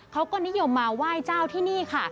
เขาก็นิยมมาไหว้เจ้าที่นี่ค่ะ